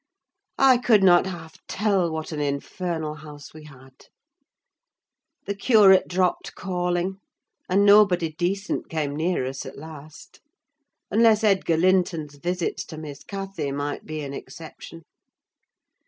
I could not half tell what an infernal house we had. The curate dropped calling, and nobody decent came near us, at last; unless Edgar Linton's visits to Miss Cathy might be an exception.